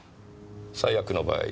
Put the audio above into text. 最悪の場合